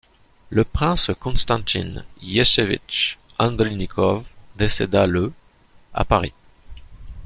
Le prince Konstantin Ieseevitch Andronikov décéda le à Paris.